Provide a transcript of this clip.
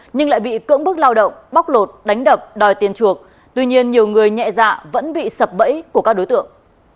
nhưng lại bị cưỡng bức lao động bóc lột đánh đập đòi tiền chuộc tuy nhiên nhiều người nhẹ dạ vẫn bị sập bẫy của các đối tượng